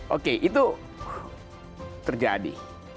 oke itu terjadi